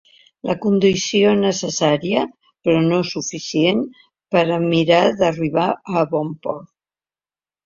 La condició necessària, però no suficient, per a mirar d’arribar a bon port.